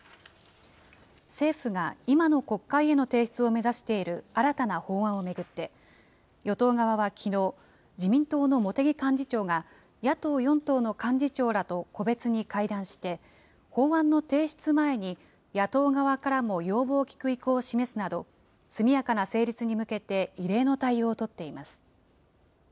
政府が今の国会への提出を目指している新たな法案を巡って、与党側はきのう、自民党の茂木幹事長が、野党４党の幹事長らと個別に会談して、法案の提出前に、野党側からも要望を聞く意向を示すなど、速やかな成立に向けて異例の対応を取っています。